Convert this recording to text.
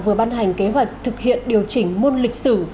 vừa ban hành kế hoạch thực hiện điều chỉnh môn lịch sử